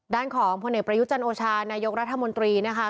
ด้านของพลเอกประยุจันโอชานายกรัฐมนตรีนะคะ